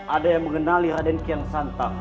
ada yang mengenali haden kiyang santak